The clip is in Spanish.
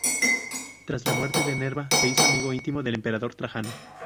Tras la muerte de Nerva se hizo amigo íntimo del emperador Trajano.